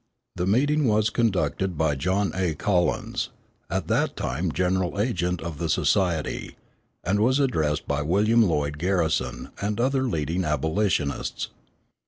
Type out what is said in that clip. The meeting was conducted by John A. Collins, at that time general agent of the society, and was addressed by William Lloyd Garrison and other leading abolitionists.